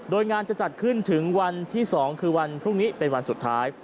โดยงานจะจัดขึ้นถึงวันที่๒คือวันพรุ่งนี้เป็นวันสุดท้าย